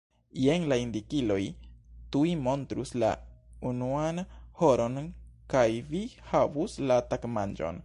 Jen la indikiloj tuj montrus la unuan horon kaj vi havus la tagmanĝon.